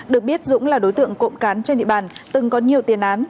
được biết dũng là đối tượng cộng cán trên địa bàn từng có nhiều tiền án